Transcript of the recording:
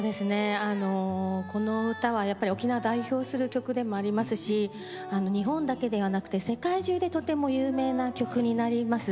この歌は沖縄を代表する曲でもありますし日本だけではなくて世界中でとても有名な曲になります。